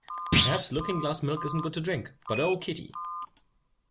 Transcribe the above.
Perhaps Looking-glass milk isn’t good to drink—But oh, Kitty!